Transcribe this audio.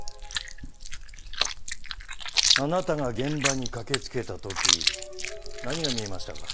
あなたが現場に駆けつけた時何が見えましたか？